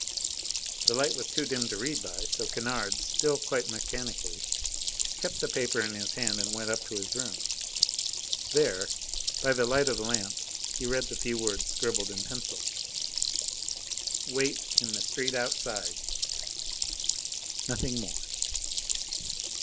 The light was too dim to read by, so Kennard, still quite mechanically, kept the paper in his hand and went up to his room. There, by the light of the lamp, he read the few words scribbled in pencil: "Wait in the street outside." Nothing more.